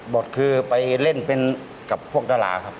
บทคือไปเล่นเป็นกับพวกดาราครับ